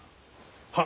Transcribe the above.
はっ。